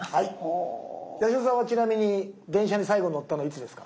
八代さんはちなみに電車に最後に乗ったのはいつですか？